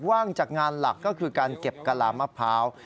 ว่างจากงานหลักก็คือการเก็บกะลามะพร้าว